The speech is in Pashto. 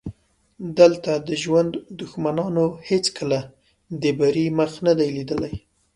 دلته د ژوند دښمنانو هېڅکله د بري مخ نه دی لیدلی.